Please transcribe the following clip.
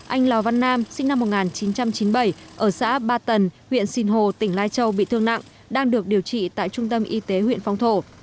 anh lò văn nam sinh năm một nghìn chín trăm chín mươi bảy ở xã ba tần huyện sìn hồ tỉnh lai châu bị thương nặng đang được điều trị tại trung tâm y tế huyện phong thổ